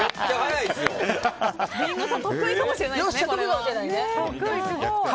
リンゴさん得意かもしれないですね。